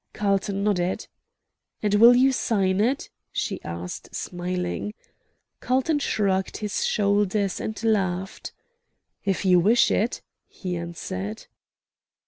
Carlton nodded. "And will you sign it?" she asked, smiling. Carlton shrugged his shoulders, and laughed. "If you wish it," he answered.